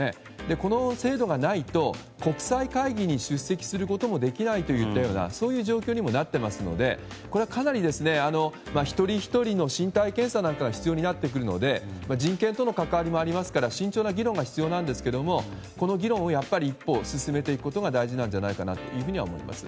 この制度がないと国際会議に出席することができないという状況にもなっていますのでこれは、かなり一人ひとりの身体検査が必要になってくるので人権との関わりもあるから慎重な議論が必要なんですがこの議論を一歩進めていくことが大事じゃないかと思います。